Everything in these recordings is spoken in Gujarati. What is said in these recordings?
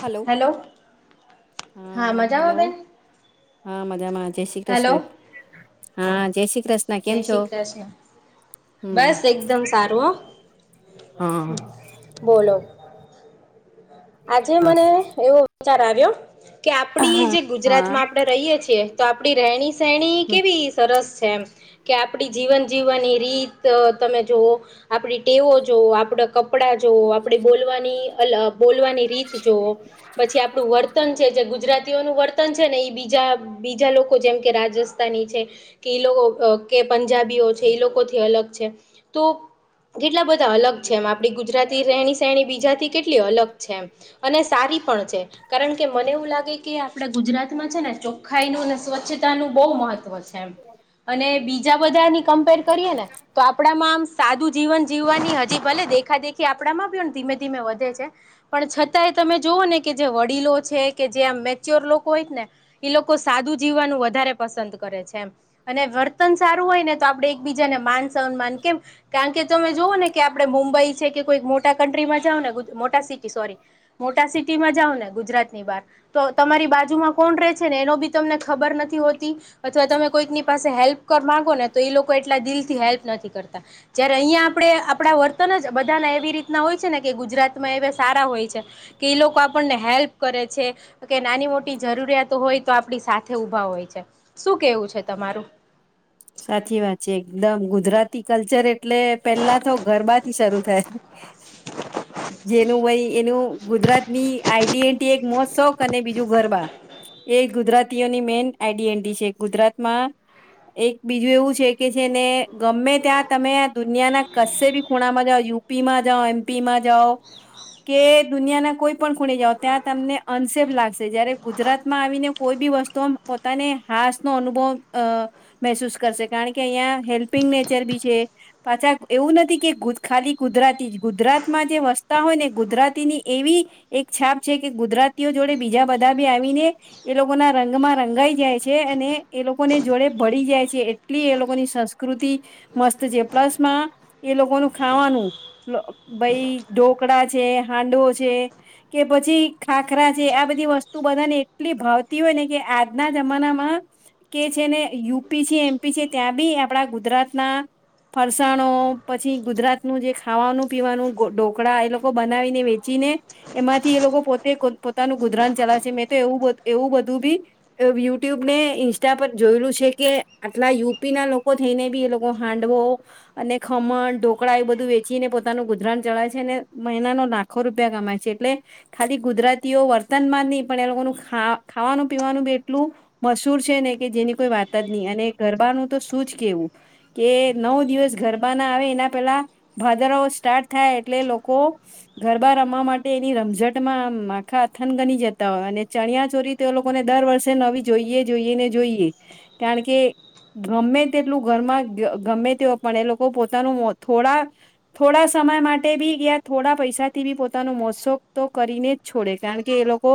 Hello hello. હા હેલો મજામાં બેન હા મજામાં જય શ્રી હેલો કૃષ્ણ હા જય શ્રી કૃષ્ણ જય કેમ છો શ્રી કૃષ્ણ હમ બસ એકદમ સારું હો. હા. બોલો આજે મને એવો વિચાર આવ્યો કે આપણી જે ગુજરાતમાં આપણે રહીએ છીએ તો આપણી રહેણી સહેણી હમ કેવી સરસ છે એમ કે આપણી જીવન જીવવાની રીત અ તમે જૂવો આપણી ટેવો જોવો, આપણા કપડા જોવો, આપણી બોલવાની અલગ બોલવાની રીત જોવો પછી આપણું વર્તન છે જે ગુજરાત તી ઓ નું વર્તન છે ને એ બીજા બીજા લોકો જેમ કે રાજસ્થાની છે. કે લો અ કે પંજાબીઓ છે એ લોકોથી અલગ છે તો કેટલા બધા અલગ છે એમ આપણી ગુજરાતી રહેણી સહેણી બીજાથી કેટલી અલગ છે એમ અને સારી પણ છે કારણ કે મને એવું લાગે કે આપણા ગુજરાતમાં છે ને ચોખ્ખાઈનું અને સ્વચ્છતાનું બહુ મહત્વ છે એમ અને બીજા બધાની કમ્પેર કરીએને તો આપણામાં આમ સાદું જીવન જીવવાની હજી ભલે દેખા દેખી આપણામાં પણ ધીમે ધીમે વધે છે. પણ છતાંય તમે જુવોને કે જે વડીલો છે કે જે આમ મેચ્યોર લોકો હોય ને ઈ લોકો સાદુ જીવવાનું વધારે પસંદ કરે છે એમ. અને વર્તન સારું હોય ને તો આપણેે એકબીજાને માન સન્માન કેમ કારણ કે તમે જૂવોને કે આપણે મુંબઈ છે કે કોઈક મોટા કન્ટ્રીમાં જાઓ ને મોટા સિટી સોરી મોટા સિટીમાં જાવને ગુજરાતની બહાર તો તમારી બાજુમાં કોણ રહે છે ને એનો બી પણ તમને ખબર નથી હોતી અથવા તમે કોઈકની પાસે હેલ્પ પર માંગોને તો એ લોકો એટલા દિલથી હેલ્પ નથી કરતા જયારે અહીયાં આપણે આપણા વર્તન જ બધાના એવી રીતના હોય છે ને કે ગુજરાતમાં એ સારા હોય છે કે એ લોકો આપણને હેલ્પ કરે છે કે નાની મોટી જરૂરિયાતો હોય તો આપડી સાથે ઉભા હોય છે શું કેવું છે તમારું સાચી વાત છે એકદમ ગુજરાતી કલ્ચર એટલે પેલા તો ગરબા જ શરૂ થાય. જેનું વય એનું ગુજરાત [unintelligible] આઈડીએ ટીએક મોજ શોખ અને બીજું ગરબા. એ ગુજરાતીઓની મેઈન આઈડીએન્ટી છે ગુજરાતમાં એક બીજું એવું છે કે સેને ગમે ત્યાં તમે દુનિયાના કશે બી ખૂણામાં જાવ યુપીમાં જાવ એમ. પીમાં જાવ કે દુનિયાના કોઈ પણ ખૂણે જાઓ ત્યાં તમને અનસેફ લાગશે જયારે ગુજરાતમાં આવીને કોઈ બી વસ્તુઓન પોતાને હાસ નો અનુભવ અ મેંહસૂસ કરશે કારણ કે અહીંયા હેલ્પિંગ નેચર બી છે. પાછા એવું નથી કે ગુજ ખાલી ગુજરાતી ગુજરાતમાં જે વસતા હોય ને ગુજરાતીની એવી એક છાપ છે કે ગુજરાતીઓ જોડે બીજા બધા બી આવીને એ લોકોના રંગમાં રંગાઈ જાય છે અને એ લોકોને જોડે પડી જાય છે એટલી એ લોકોની સંસ્કૃતિ મસ્ત છે પ્લસમાં એ લોકોનું ખાવાનું લો, ભઈ ઢોકળા છે, હાંડો છે, કે પછી ખાખરા છે. આ બધી વસ્તુ બધાને એટલી ભાવતી હોય ને કે આજના જમાનામાં કે છે ને યુપી છે, એમપી છે, ત્યાં બી આપડા ગુજરાતના ફરસાણો પછી ગુજરાતનું જે ખાવાનું પીવાનું કો ઢોકળા એ લોકો બનાવીને વેચીને એમાંથી એ લોકો પોતે કો પોતાનું ગુજરાન ચલાવે છે મેં તો એવું બધ એવું બધું ભી એ યુટ્યુબ ને ઇન્સ્ટા પર જોયેલું છે. એટલે કે આટલા યુપીના લોકો થઈને બી એ લોકો હાંડવો અને ખમણ, ઢોકળા એ બધું વેચીને પોતાનું ગુજરાન [unintelligible] છે અને મહિનાનો ના ખો રૂપિયા કમાય છે એટલે ખાલી ગુજરાતીઓ વર્તનમાંની પણ એ લોકોનુ ખા ખાવાનું પીવાનું બી એટલું મશહૂર છે ને કે જેની કોઈ વાત જ ની અને ગરબાનું તો શું જ કેવું? કે નવ દિવસ ગરબા ના આવે એના પેલા ભાદરવો સ્ટાર્ટ થાય એટલે લોકો ગરબા રમવા માટે એની રમઝટ માં [unintelligible] થનગની જતા હોય અને ચણિયા ચોરી તે લોકોને દર વર્ષે નવી જોઈએ જોઈએ ને જોઈએ કારણ કે ગમે તેટલું ઘરમાં ગ્ય ગમે તે ઓ પણ એ લોકો પોતાનું મો થોડા થોડા સમય માટે બી ગયા થોડા પૈસાથી બી પોતાનું મોજ શોખ તો કરીને જ છોડે કારણ કે એ લોકો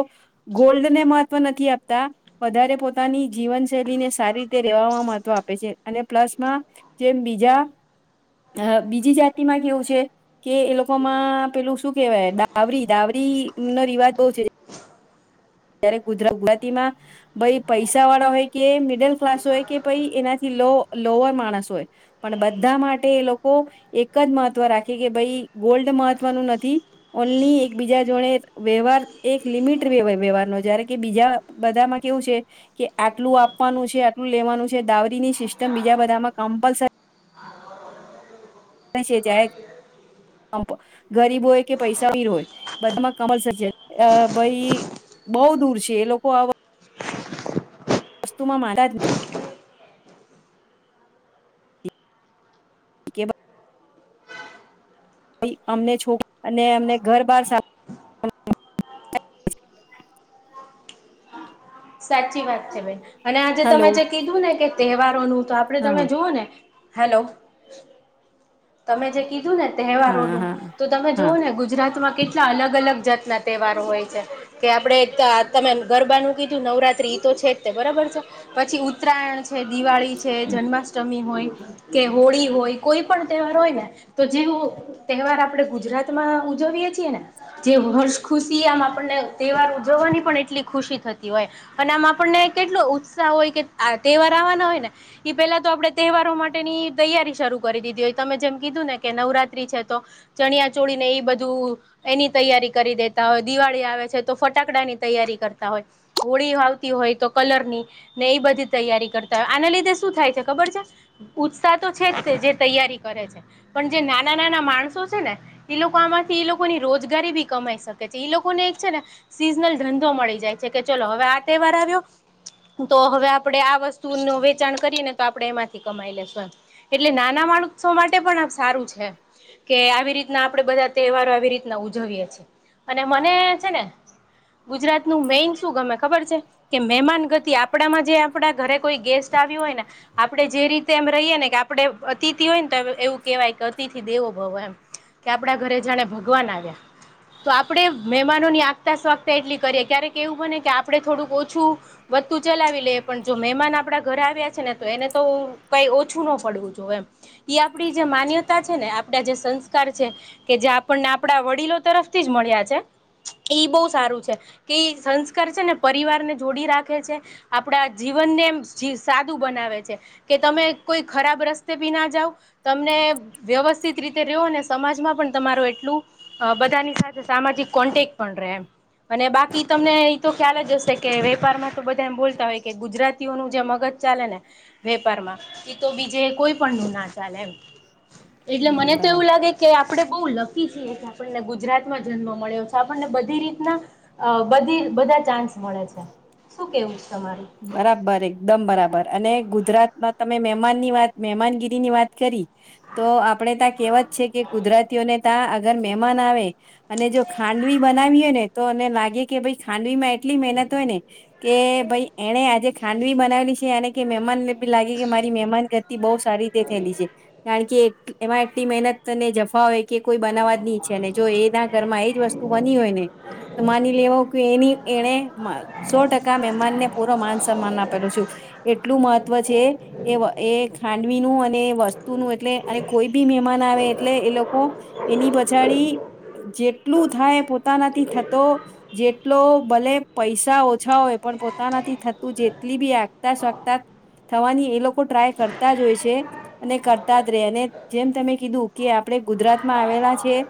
ગોલ્ડ ને મહત્વ નથી આપતા વધારે પોતાની જીવનશૈલી ને જ સારી રીતે રેવામાં મહત્વ આપે છે અને પ્લસમાં જેમ બીજા અ બીજી જાતિમાં કેવું છે કે એ લોકોમાં પેલું શું કેવાય દાવરી દાવરી નો રિવાજ બહુ છે જે ત્યારે [unintelligible] નદીમાં ભઈ પૈસા વાળા હોય કે મિડલ ક્લાસ હોય કે પછી ભાઈ એના લો લોઅર માણસો હોય પણ બધા માટે એ લોકો એક જ મહત્વ રાખે કે ભાઈ ગોલ્ડ મહત્વનું નથી ઓનલી એક બીજા જોડ વ્યવહાર એક લિમિટ [unintelligible] વ્યવહાર જ્યારે કે બીજા બધામાં કેવું છે કે આટલું આપવાનું છે, આટલું લેવાનું છે જે દાવરીની સિસ્ટમ બીજા બધામાં કમ્પલસરી છે જ્યારે [inaudible] [inaudible] ગરીબ હોય કે પૈસાાવીર હોય બધામાં [inaudible] અ ભઈ બઉ દૂર છે એ લોકો આ વસ્તુ [unintelligible] નથી કે [unintelligible] અમને [inaudible] અને અમને ઘર બાર [inaudible] સાચી વાત છે ભાઈ અને હલો તમે જે કીધું ને તહેવારોનું તો આપડે તમે હા જુઓ ને હાલો તમે જે કીધું ને હા તહેવારોનું હા તો તમે જુવઓ હા ને ગુજરાતમાં કેટ- લા અલગ અલગ જાતના તહેવાર હોય છે. કે આપડે તમે ગરબાનું કીધું નવરાત્રી ઇ તો છે જ તે બરાબર છે. પછી ઉત્તરાયણ છે દિવાળી છે જન્માષ્ટમી હોય કે હોળી, હોય કોઈ પણ તહેવાર હોય ને તો જેવો તહેવાર આપણેે ગુજરાતમાં ઉજવીએ છીએ ને જે હર્ષ ખુશી આમ આપણને તહેવાર ઉજવવાની પણ એટલી ખુશી થતી હોય, અને આમ આપણને કેટલો ઉત્સાહ હોય કે આ તહેવાર આવવાના હોય ને ઈ પેલા તો આપડે તહેવારો માટેની તૈયારી શરૂ કરી દીધી હોય. તમે જેમ કીધું ને કે નવરાત્રી છે તો ચણિયા ચોળી ઈ બધું એની તૈયારી કરી દેતા હોય દિવાળી આવે છે તો ફટાકડા ની તૈયારી કરતા હોય હોળી આવતી હોય તો કલરની ને એ બધી તૈયારી કરતા હોય આના લીધે શું થાય છે ખબર છે ઉત્સાહ તો છે જ કે જે તૈયારી કરે છે પણ જે નાના નાના માણસો છે ને એ લોકો આમાંથી એ લોકોની રોજગારી બી કમાઈ શકે છે એ લોકોને એક છે ને સિઝનલ ધંધો મળી જાય છે કે ચલો આ તહેવાર આવ્યો તો હવે આપડે આ વસ્તુનું વેચાણ કરી ને તો આપડણે એમાંથી કમાઈ લેશું એમ એટલે નાના માણસો માટે પણ આ સારું છે કે આવી રીત- ના આપણેે બધા તહેવારો આવી રીતના ઉજવીએ છીએ અને મને છે ને ગુજરાત નું મેઈન શું ગમે ખબર છે? કે મહેમાન ગતિ આપડામાં જે આપણા ઘરે કોઈ ગેસ્ટ આવ્યું હોય ને આપડે જે રીતે એમ રહીએે ને કે આપડે અતિ- થી હોય ને તો એવું કેહેવાય કે અતિથિ દેવો ભવ એમ કે આપડા ઘરે જાણે ભગવાન આવ્યા. તો આપણેે મહેમાનોની આગતા સ્વાગતા એટલી કરીએ ક્યારે કે એવું બને કે આપડે થોડુંક ઓછું વધતું ચલાવી લેએ પણ જો મહેમાન આપડા ઘર આવ્યા છે ને તો એને તો કઈ ઓછું ન પડવું જો એમ એ આપડી જે માન્યતા છે ને આપડા જે સંસ્કાર છે. કે જે આપણને આપડા વડીલો તરફથી જ મળ્યા છે. એ બહુ સારું છે કે સંસ્કાર છે ને પરિવારને જોડી રાખે છે. આપડા જીવનને એમ સાદું બનાવે છે કે તમે કોઈ ખરાબ રસ્તે બી ના જાવ તમને વ્યવસ્થિત રીતે રેવોને સમાજમાં પણ તમારું એટલું બધાની સાથે સામાજિક કોન્ટેક પણ રહે એમ અને બાકી તમને એતો ખ્યાલ જ હશે કે વેપાર માં તો બધા એમ બોલતા હોય કે ગુજરાતીઓનું જે મગજ ચાલે ને વેપારમાં ઈ તો બીજે કોઈ- પણનું ના ચાલે એમ એટલે મને તો બરાબર એવું લાગે કે આપણે બહુ લકી છીએ કે આપણને ગુજરાતમાં જન્મ મળ્યો છે આપણને બધી રીતના અ બધી બધા ચાન્સ મળે છે શું કેવું છે તમારું બરાબર એકદમ બરાબર અને ગુજરાતમાં તમે મહેમાનની વાત મહેમાનગીરી ની વાત કરી તો આપડે ત્યાં કહેવત છે કે ગુજરાતીઓને તા અગર મહેમાન આવે અને જો ખાંડવી બનાવી હોય ને તો એને લાગે કે ભય ખાંડવીમાં એટલી મહેનત હોય ને કે ભાઈ એણે આજે ખાંડવી બનાવેલી છે એને કે મહેમાનને લાગે કે મારી મહેમાન ગતિ બવ સારી રીતે થયેલી છે કારણ કે એમાં એટલી મહેનતને જફા હોય કે કોઈ બનાવવા જ ન ઈચ્છે ને જો એના ઘર માં એજ વસ્તુ બની હોય ને તો માની લેવો કે એની એને સો ટકા મહેમાનને પૂરો માન સન્માન આપેલો છું એટલું મહત્વ છે એ એ ખાંડવીનું અને એ વસ્તુનું એટલે અને કોઈ બી મહેમાન આવે એટલે એ લોકો એની પછાડી જેટલું થાય, પોતાનાથી થતો જેટલો ભલે પૈસા ઓછા હોય પણ પો તાનાથી થતું જેટલી બી આગતા-સાગતા થવાની એ લોકો ટ્રાય કરતા જ હોય છે. અને કરતા જ રે અને જેમ તમે કીધું કે આપણે ગુજરાત માં આવેલા છે.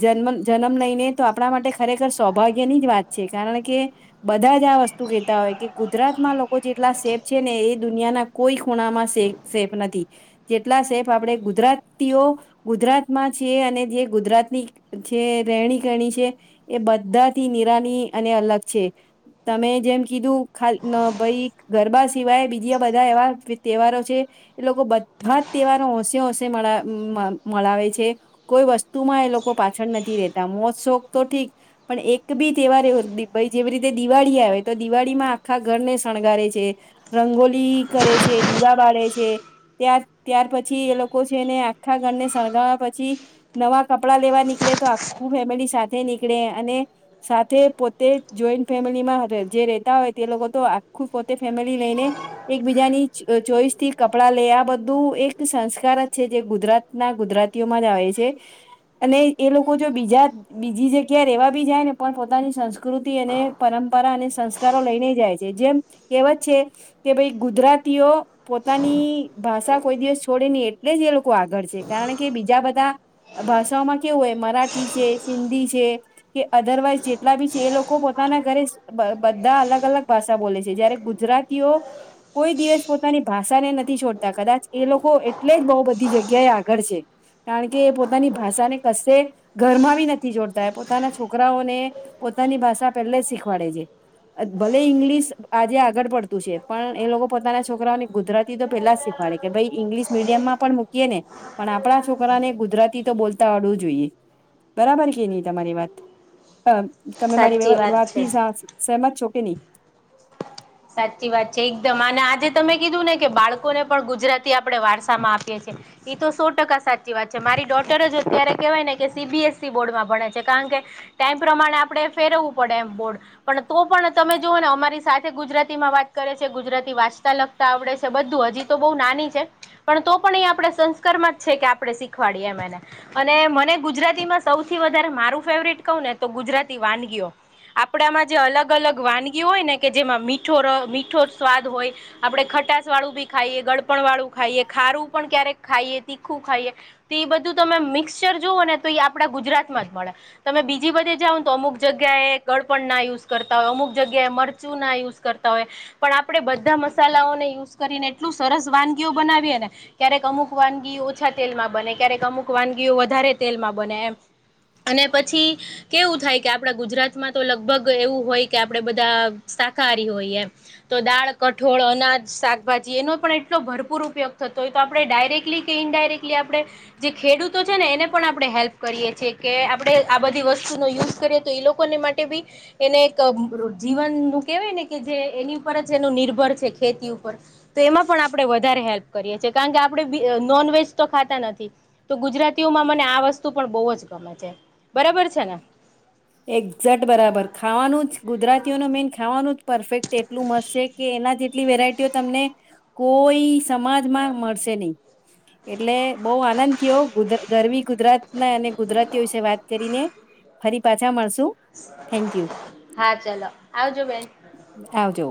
જન્મ જન્મ લઈ ને તો આપણા માટે ખરેખર સૌભાગ્ય ની જ વાત છે કારણ કે બધા જ આ વસ્તુ કે હોય કે ગુજરાતમાં લોકો જેટલા સેફ છે ને એ દુનિયાના કોઈ ખૂણામાં સે-સેફ નથી. જેટલા સેફ આપડે ગુજરાતીઓ ગુજરાત માં છે અને જે ગુજરાત ની જે રહેણી કરણી છે. એ બધા થી નિરાની અને અલગ છે. તમે જેમ કીધું ખા ભાઈ ગરબા સિવાય બીજા બધા એવા તહેવારો છે. એ લોકો બધા જ તહેવારો હોંશે હોંશે મળાવે છે. કોઈ વસ્તુ માં એ લોકો પાછળ નથી રેતા, મોજ શોક તો ઠીક પણ એક બી તહેવાર એવ ભઇ જેવી રીતે દિવાળી આવે તો દિવાળી માં આખા ઘરને શણગારે છે. રંગોલી કરે છે. દીવા બાળે છે. ત્યાર ત્યાર પછી એ લોકો છેને આખા ઘરને શણગાવે પછી નવા કપડાં લેવા નીકળે તો આખું ફેમિલી સાથે નીકળે અને સાથે પોતે જોઈન્ટ ફેમિલી માં રે જે રેતા હોય તે લોકો તો આખું પોતે ફેમિલી લઈને એક બીજાની ચોઈસ થી કપડા લે આ બધું એક સંસ્કાર જ છે જે ગુજરાત ના ગુજરાતીઓ માં જ આવે છે. અને એ લોકો જો બીજા બીજી જગ્યા રેવા બી જાય ને પણ પોતાની સં સંકૃતિ અને પરંપરા અને સંસ્કારો લઈને જાય છે. જેમ કહેવત છે કે ભાઈ ગુજરાતીઓ પોતાની ભાષા કોઈ દિવસ છોડે ની એટલે જ એ લોકો આગળ છે. કારણ કે બીજા બધા ભાષાઓમાં કેવું હોય મરાઠી છે, સિંધી છે કે અધરવાઈઝ જેટલા બી છે, એ લોકો પોતાના ઘરે બધા અલગ અલગ ભાષા બોલે છે જયારે ગુજરાતીઓ કોઈ દિવસ પોતાની ભાષા ને નથી છોડતા કદાચ એ લોકો એટલે જ બો બધી જગ્યાએ આગળ છે. કારણ કે એ પોતાની ભાષાને કશે ઘરમાં બી નથી જોડતા પોતાના છોકરાઓને પોતાની ભાષા પેલે જ શીખવાડે છે. ભલે ઈંગ્લિશ આજે આગળ પડતું છે, પણ એ લોકો પોતાના છોકરાઓને ગુજરાતી તો પેલા જ શીખવાડે. કે ભાઈ ઇંગ્લિશ મીડિયમમાં પણ મૂકીએ ને પણ આપણા છોકરાને ગુજરાતી તો બોલતા આવડવું જોઈએ. બરાબર કે નહી તમારી વાત? તમે મારી સાચી વાત છે વાતથી સહમત છો કે નહી? સાચી વાત છે, એકદમ અને આજે તમે કીધું ને કે બાળકોને પણ ગુજરાતી આપણે વારસામાં આપીએ છીએ. એ તો સો ટકા સાચી વાત છે. મારી ડોટર જ અત્યારે કહેવાય ને સીબીએસઇ બોર્ડમાં ભણે છે કારણ કે ટાઈમ પ્રમાણે આપણે ફેરવવું પડે એમ બોર્ડ. પણ તો પણ તમે જોઓ ને અમારી સાથે ગુજરાતી માં વાત કરે છે. ગુજરાતી વાંચતા લખતા આવડે છે. બધું હજી તો બવ નાની છે. પણ તો પણ એ આપણે સંસ્કારમાં જ છે કે આપણે શીખવાડીએમ એને અને મને ગુજરાતીમાં સૌથી વધારે મારું ફેવરટ કવ ને તો ગુજરાતી વાનગીઓ. આપડામાં જે અલગ અલગ વાનગી હોય ને કે જેમાં મી ઠો મીઠો સ્વાદ હોય. આપડે ખટાસ વાળું બી ખાઈએ, ગડપણ વાળું ખાઈએ, ખારું પણ ક્યારેક ખાઈએ, તીખું ખાઈએ. તો એ બધું તમે મિક્સચર જુઓ ને તો એ આપડા ગુજરાતમાં જ મળે. તમે બીજી બધે જાવ તો અમુક જગ્યાએ એ ગળપણ ના યુઝ કરતા હોય, અમુક જગ્યાએ મરચું ના યુઝ કરતા હોય, પણ આપણે બધા મસાલાઓને યુઝ કરીને એટલું સરસ વાનગીઓ બનાવીએ ને. ક્યારેક અમુક વાનગી ઓછા તેલમાં બને, ક્યારેક અમુક વાનગીઓ વધારે તેલમાં બને એમ. અને પછી કેવું થાય કે આપણા ગુજરાતમાં તો લગભગ એવું હોય કે આપણેે બધા શાકાહારી હોય એમ. તો દાળ, કઠોળ, અનાજ, શાકભાજી એનો પણ એટલો ભરપૂર ઉપયોગ થતો હોય. તો આપણે ડાયરેક્ટલી કે ઇનડાયરેક્ટલી આપણે જે ખેડૂતો છે ને એને પણ આપણે હેલ્પ કરીએ છે, કે આપણે આ બધી વસ્તુનો યુઝ કરીએ, તો એ લોકોને માટે બી એને એક જીવનનું કેહેવાય ને કે જે એની ઉપર જ એનું નિર્ભર છે ખેતી ઉપર. તો એમાં પણ આપણે વધારે હેલ્પ કરીએ છે, કારણ કે આપણે બી નોનવેજ તો ખાતા નથી. તો ગુજરાતીઓમાં મને આ વસ્તુ પણ બહુ જ ગમે છે, બરાબર છે ને. એક્ઝેક્ટ બરાબર ખાવાનું જ ગુજરાતીઓનો મેન ખાવાનું જ પરફેક્ટ એટલું મસ્ત છે. કે એના જેટલી વેરાયટીઓ તમને કોઈ સમાજમાં મળશે નહી. એટલે બહુ આનંદ થયો ગરવી ગુજરાતના અને ગુજરાતીઓ વિશે વાત કરીને. ફરી પાછા મળશુ, થેન્ક યુ. હા ચાલો આવજો બેન. આવજો.